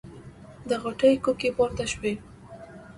د غوټۍ کوکې پورته شوې.